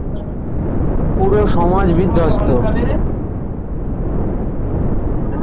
পুরো সমাজ বিধ্বস্ত।